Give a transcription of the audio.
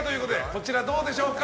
こちら、どうでしょうか。